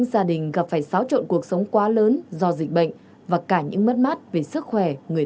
xin chào và hẹn gặp lại